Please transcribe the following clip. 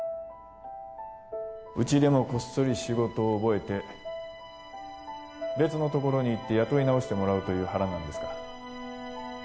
うちでもこっそり仕事を覚えて別のところに行って雇い直してもらうという腹なんですか？